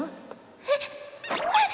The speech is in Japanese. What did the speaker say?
えっ？えっ！